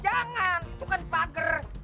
jangan itu kan pagar